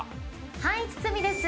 はい堤です。